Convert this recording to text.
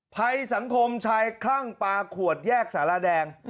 ภัยสังคมชายคลั่งปลาขวดแยกสารแดง